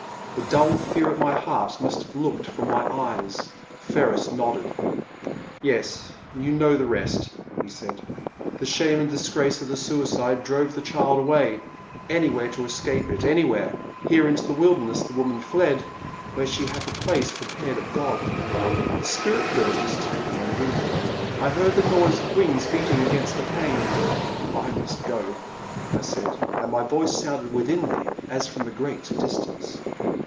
The dull fear at my heart must have looked from my eyes. Ferris nodded. Yes, you know the rest,'* he said; the shame and disgrace of the suicide drove the child away — anywhere to escape it — ^anywhere — ^here, into the wilderness the woman fled where she hath a place prepared of God.*' The Spirit bird was tapping on the window, I heard the noise of wings beating against the pane. I must go," I said, and my voice sounded within me as from a great distance.